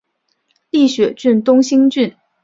立雪郡东兴郡